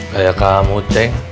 kayak kamu ceng